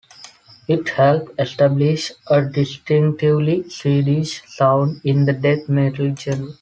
It helped establish a distinctively Swedish sound in the death metal genre.